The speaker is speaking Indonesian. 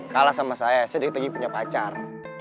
kalah sama saya sedikit lagi punya pacar